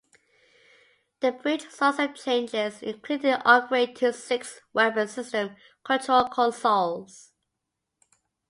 The bridge saw some changes, including an upgrade to six weapon systems control consoles.